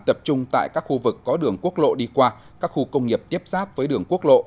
tập trung tại các khu vực có đường quốc lộ đi qua các khu công nghiệp tiếp xác với đường quốc lộ